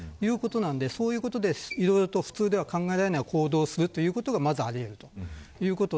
そういうことで、普通では考えられない行動することがまず、あり得ます。